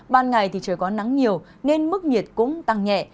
ban ngày thì trời có nắng nhiều nên mức nhiệt cũng tăng nhẹ